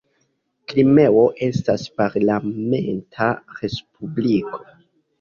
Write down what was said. Krimeo estas parlamenta respubliko.